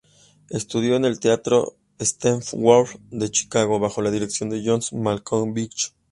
Estudió en el teatro Steppenwolf de Chicago, bajo la dirección de John Malkovich.